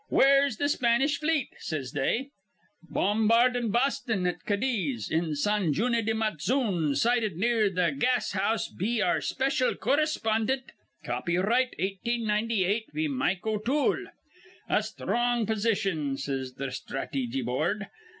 'Where's th' Spanish fleet?' says they. 'Bombardin' Boston, at Cadiz, in San June de Matzoon, sighted near th' gas house be our special correspondint, copyright, 1898, be Mike O'Toole.' 'A sthrong position,' says th' Sthrateejy Board.